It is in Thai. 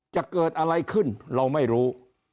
จะเกิดอะไรขึ้นเราไม่รู้